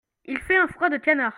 Il fait un froid de canard.